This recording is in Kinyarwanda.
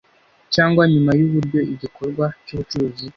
cyangwa nyuma y uburyo igikorwa cy ubucuruzi